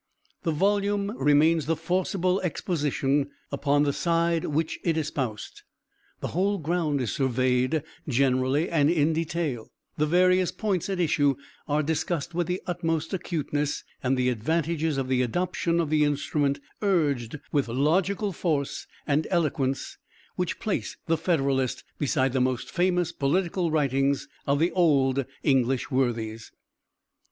The volume remains the forcible exposition upon the side which it espoused. The whole ground is surveyed, generally and in detail; the various points at issue are discussed with the utmost acuteness, and the advantages of the adoption of the instrument urged with logical force and eloquence which place "The Federalist" beside the most famous political writings of the old English worthies.